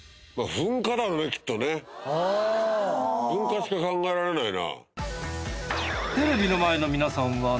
噴火しか考えられないな。